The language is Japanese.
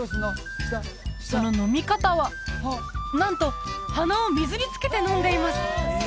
その飲み方はなんと鼻を水につけて飲んでいます